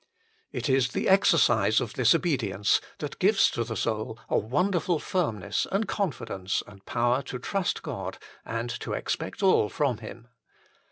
It is the exercise of this obedience that gives to the soul a wonderful firmness and confidence and power to trust God and to expect all from Him.